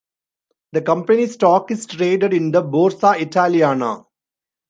The company's stock is traded in the Borsa Italiana.